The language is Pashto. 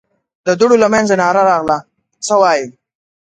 د دوړو له مينځه ناره راغله: څه وايې؟